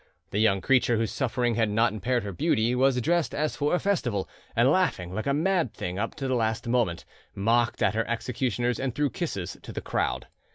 The young creature, whose suffering had not impaired her beauty, was dressed as for a festival, and laughing like a mad thing up to the last moment, mocked at her executioners and threw kisses to the crowd.